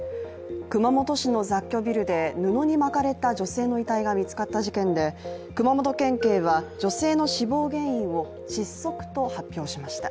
熊本市の雑居ビルで布に巻かれた女性の遺体が見つかった事件で熊本県警は女性の死亡原因を窒息と発表しました。